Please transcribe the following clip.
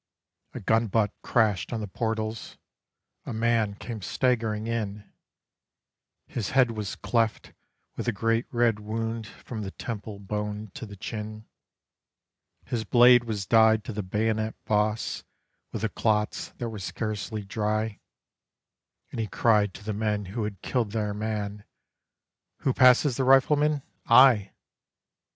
A gun butt crashed on the portals, a man came staggering in; His head was cleft with a great red wound from the temple bone to the chin, His blade was dyed to the bayonet boss with the clots that were scarcely dry, And he cried to the men who had killed their man, "Who passes the rifleman? I!